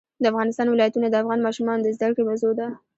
د افغانستان ولايتونه د افغان ماشومانو د زده کړې موضوع ده.